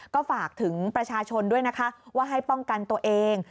ก็ฝากถึงประชาชนด้วยนะคะว่าให้ป้องกันตัวเอง